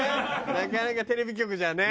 なかなかテレビ局じゃね。